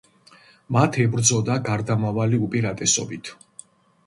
მათ ებრძოდა გარდამავალი უპირატესობით.